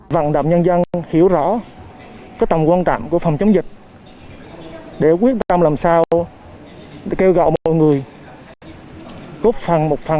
văn đảm nhân dân hiểu rõ tầm quan trọng của phòng chống dịch để quyết tâm làm sao kêu gọi mọi người cốt phần